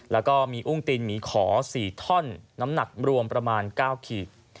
แล้วก็มีอุ้งตีนหมีขอ๔ท่อนน้ำหนักรวมประมาณ๙ขีด